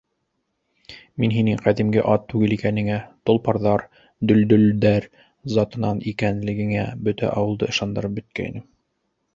Мин һинең ҡәҙимге ат түгел икәнеңә, толпарҙар, дөлдөлдәр затынан икәнлегеңә бөтә ауылды ышандырып бөткәйнем.